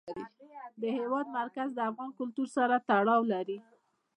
د هېواد مرکز د افغان کلتور سره تړاو لري.